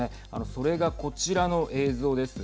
それがこちらの映像です。